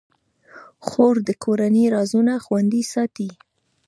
خور د کورنۍ رازونه خوندي ساتي.